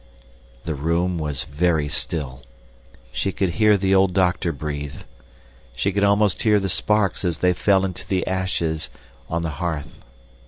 The room was very still. She could hear the old doctor breathe. She could almost hear the sparks as they fell into the ashes on the hearth.